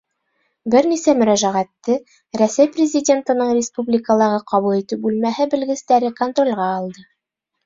Бер нисә мөрәжәғәтте Рәсәй Президентының республикалағы ҡабул итеү бүлмәһе белгестәре контролгә алды.